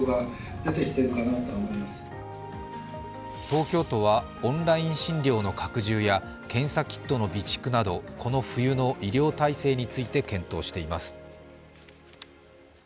東京都はオンライン診療の拡充や検査キットの備蓄などこの冬の医療体制について検討しています。